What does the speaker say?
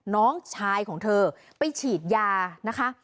น้องชายของเธอไปฉีดยานะคะ